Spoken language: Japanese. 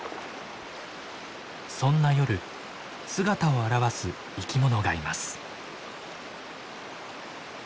そんな夜姿を現す生き物がいます。